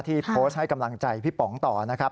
ที่โพสต์ให้กำลังใจพี่ป๋องต่อนะครับ